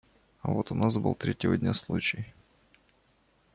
А вот у нас был третьего дня случай